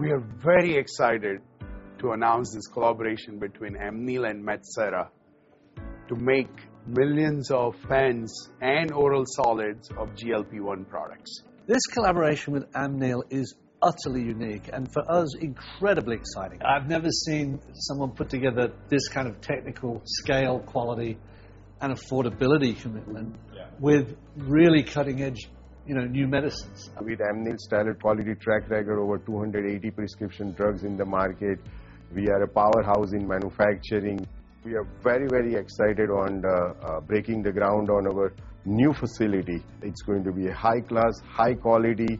We are very excited to announce this collaboration between Amneal and Metsera to make millions of pens and oral solids of GLP-1 products. This collaboration with Amneal is utterly unique and, for us, incredibly exciting. I've never seen someone put together this kind of technical scale, quality, and affordability commitment- Yeah. with really cutting-edge, you know, new medicines. With Amneal's standard quality track record, over 280 prescription drugs in the market, we are a powerhouse in manufacturing. We are very, very excited on the, breaking the ground on our new facility. It's going to be a high-class, high-quality,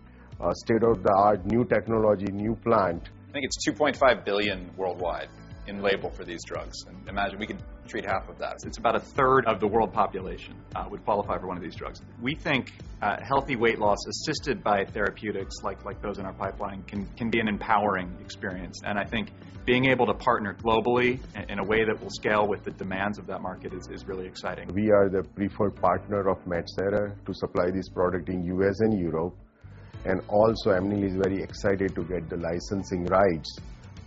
state-of-the-art, new technology, new plant. I think it's 2.5 billion worldwide in label for these drugs, and imagine, we could treat half of that. It's about a third of the world population would qualify for one of these drugs. We think healthy weight loss, assisted by therapeutics like those in our pipeline, can be an empowering experience. And I think being able to partner globally in a way that will scale with the demands of that market is really exciting. We are the preferred partner of Metsera to supply this product in U.S. and Europe, and also, Amneal is very excited to get the licensing rights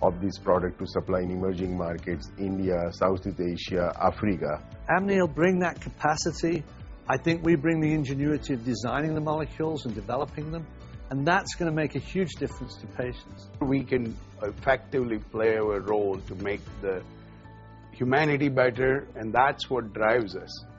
of this product to supply in emerging markets, India, Southeast Asia, Africa. Amneal will bring that capacity. I think we bring the ingenuity of designing the molecules and developing them, and that's gonna make a huge difference to patients. We can effectively play our role to make the humanity better, and that's what drives us.